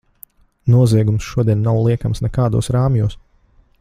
Noziegums šodien nav liekams nekādos rāmjos.